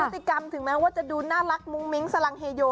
ติกรรมถึงแม้ว่าจะดูน่ารักมุ้งมิ้งสลังเฮโย